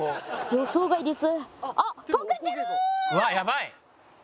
予想外です。